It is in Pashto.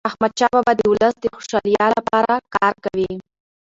احمدشاه بابا د ولس د خوشحالیلپاره کار کاوه.